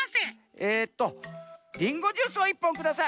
えっとりんごジュースを１ぽんください。